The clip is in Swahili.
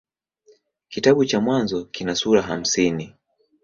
Kitabu cha Mwanzo kina sura hamsini.